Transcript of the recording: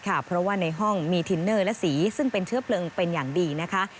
เพราะว่าในห้องมีทินเนอร์และสีซึ่งเป็นเชื้อเพลิงเป็นอย่างดีนะคะ